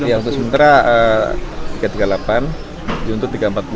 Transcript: ya untuk sementara tiga ratus tiga puluh delapan untuk tiga ratus empat puluh